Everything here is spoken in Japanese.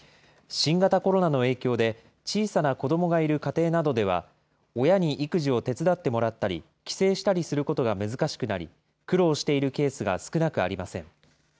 新型コロナの影響で、小さな子どもなどがいる家庭などでは、親に育児を手伝ってもらったり、帰省したりすることが難しくなり、苦労しているケースが少なくありません。